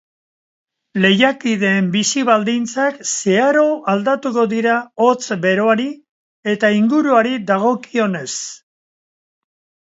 Lehiakideen bizi baldintzak zeharo aldatuko dira hotz beroari eta inguruari dagokionez.